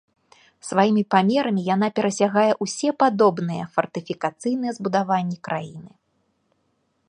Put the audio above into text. Сваімі памерамі яна перасягае ўсе падобныя фартыфікацыйныя збудаванні краіны.